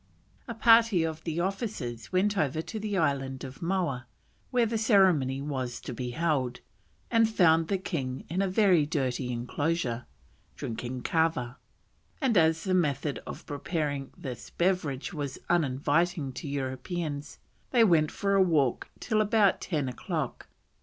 A party of the officers went over to the island of Moa, where the ceremony was to be held, and found the king in a very dirty enclosure, drinking kava; and as the method of preparing this beverage was uninviting to Europeans, they went for a walk till about ten o'clock.